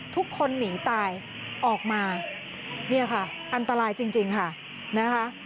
ทุกคนหนีตายออกมาเนี่ยค่ะอันตรายจริงค่ะนะคะ